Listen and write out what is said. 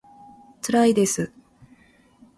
つらいです